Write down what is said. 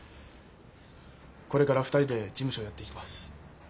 これから２人で事務所をやっていきます。